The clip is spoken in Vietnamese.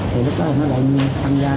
thì lúc đó nó lại phân ra